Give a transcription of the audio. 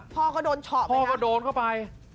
พ่อก็โดนเข้าไป